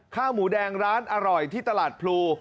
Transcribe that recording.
ข้าวหมูแดงร้านอร่อยที่ตลาดพลู